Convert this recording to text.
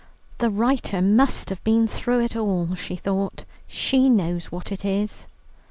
The writer must have been through it all, she thought; she knows what it is.